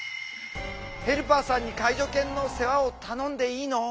ヘルパーさんに介助犬の世話を頼んでいいの？